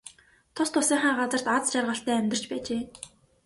Тус тусынхаа гаригт аз жаргалтай амьдарч байжээ.